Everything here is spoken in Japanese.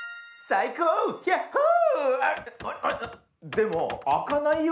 でもあかないよ。